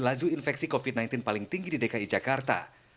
laju infeksi covid sembilan belas paling tinggi di dki jakarta